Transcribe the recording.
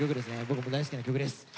僕も大好きな曲です。